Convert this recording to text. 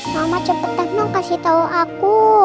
mama cepetan mau kasih tau aku